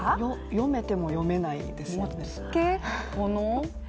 読めても読めないですよね。